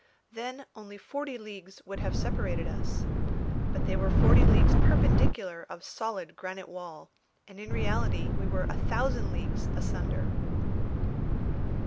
Then only forty leagues would have separated us! But they were forty leagues perpendicular of solid granite wall, and in reality we were a thousand leagues asunder!